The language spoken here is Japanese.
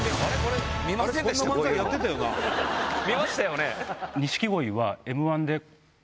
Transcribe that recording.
見ましたよね。